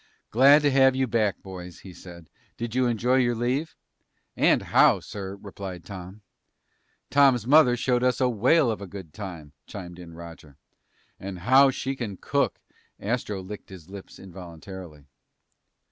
"Glad to have you back, boys," he said. "Did you enjoy your leave?" "And how, sir," replied Tom. "Tom's mother showed us a whale of a good time," chimed in Roger. "And how she can cook!" Astro licked his lips involuntarily.